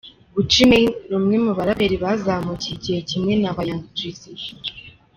Gucci Mane ni umwe mu baraperi bazamukiye igihe kimwe na ba Young Jeezy, T.